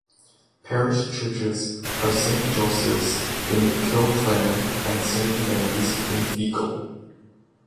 Parish churches are Saint Joseph's in Kilclaren and Saint Mary's in Feakle.